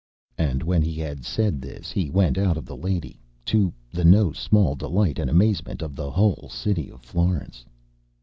ŌĆØ And when he had said this, he went out of the lady, to the no small delight and amazement of the whole city of Florence.